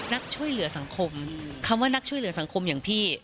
นักช่วยเหลือสังคมคำว่านักช่วยเหลือสังคมอย่างพี่